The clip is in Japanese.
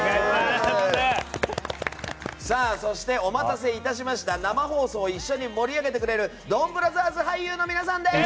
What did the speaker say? そして、お待たせ致しました生放送を一緒に盛り上げてくれるドンブラザーズ俳優の皆さんです。